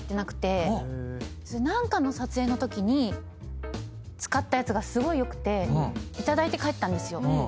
何かの撮影のときに使ったやつがすごい良くて頂いて帰ったんですよ。